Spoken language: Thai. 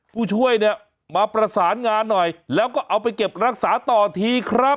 ผู้ช่วยเนี่ยมาประสานงานหน่อยแล้วก็เอาไปเก็บรักษาต่อทีครับ